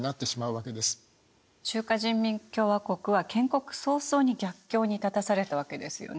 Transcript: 中華人民共和国は建国早々に逆境に立たされたわけですよね。